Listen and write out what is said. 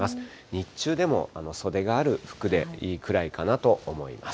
日中でも袖がある服でいいくらいかなと思います。